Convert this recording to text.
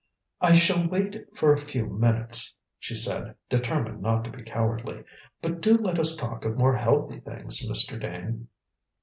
"I shall wait for a few minutes," she said, determined not to be cowardly; "but do let us talk of more healthy things, Mr. Dane."